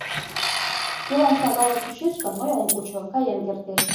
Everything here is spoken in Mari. Кӧлан шагалла чучеш гын, мый ом кучо, каен кертеш.